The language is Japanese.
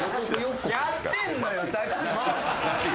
やってんのよさっきから。